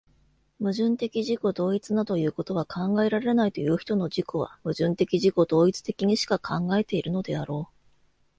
矛盾的自己同一などいうことは考えられないという人の自己は、矛盾的自己同一的にしか考えているのであろう。